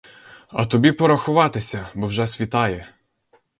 А тобі пора ховатися, бо вже світає.